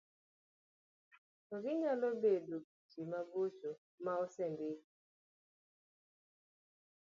to ginyalo bedo bende mabocho ma osendiki.